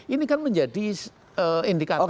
ini kan menjadi indikator indikator penting